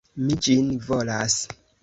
Mi ĝin volas!